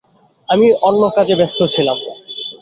আমি অন্য কাজে ব্যস্ত ছিলাম।